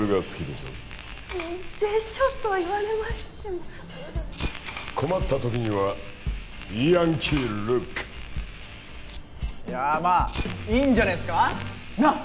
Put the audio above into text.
「でしょ」と言われましても困った時にはヤンキールックいやまあいいんじゃねえっすかなっ？